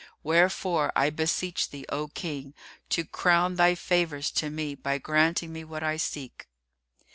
Wherefore, I beseech thee, O King, to crown thy favours to me by granting me what I seek."